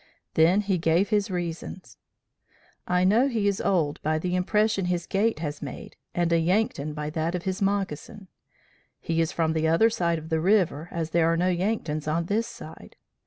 Then, he gave his reasons: 'I know he is old, by the impression his gait has made and a Yankton by that of his moccasin. He is from the other side of the river, as there are no Yanktons on this side.